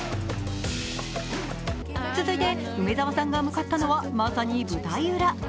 続いて、梅澤さんが向かったのは、まさに舞台裏。